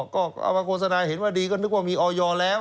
ก็เอามาโฆษณาเห็นว่าดีก็นึกว่ามีออยแล้ว